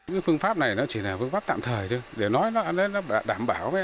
cái phương pháp này nó chỉ là phương pháp tạm thời chứ để nói là nó đảm bảo với an